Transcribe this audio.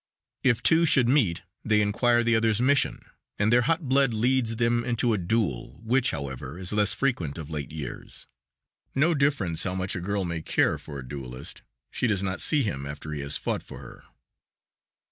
If two should meet they inquire the other's mission, and their hot blood leads them into a duel which, however, is less frequent of late years. No difference how much a girl may care for a duelist, she does not see him after he has fought for her.